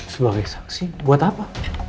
sebagai saksi buat apa